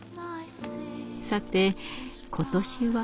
さて今年は？